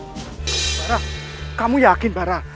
mardian kamu yakin mardian